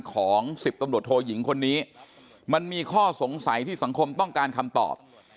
ของ๑๐ตำรวจโทยิงคนนี้มันมีข้อสงสัยที่สังคมต้องการคำตอบ